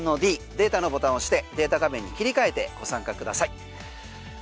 リモコンのｄデータのボタン押してデータ画面に切り替えてご参加ください。